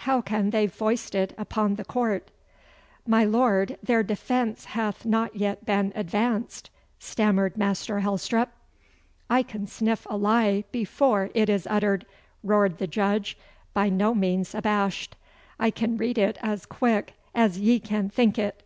How can they foist it upon the Court?' 'My Lord, their defence hath not yet been advanced!' stammered Master Helstrop. 'I can sniff a lie before it is uttered,' roared the Judge, by no means abashed. 'I can read it as quick as ye can think it.